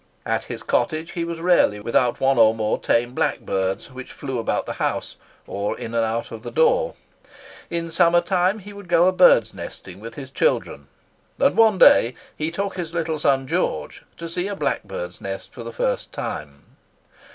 At his cottage he was rarely without one or more tame blackbirds, which flew about the house, or in and out at the door. In summer time he would go a birdnesting with his children; and one day he took his little son George to see a blackbird's nest for the first time.